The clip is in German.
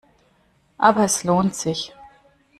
Aber es lohnt sich.